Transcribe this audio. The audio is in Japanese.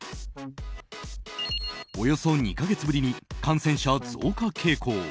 およそ２か月ぶりに感染者増加傾向。